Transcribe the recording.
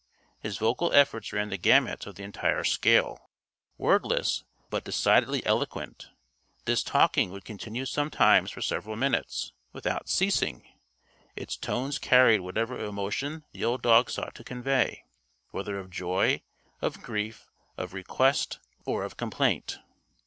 His vocal efforts ran the gamut of the entire scale. Wordless, but decidedly eloquent, this "talking" would continue sometimes for several minutes without ceasing; its tones carried whatever emotion the old dog sought to convey whether of joy, of grief, of request or of complaint.